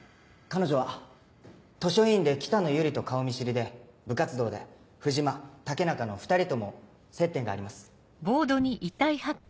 彼女は図書委員で北野由里と顔見知りで部活動で藤間武中の２人とも接点があります。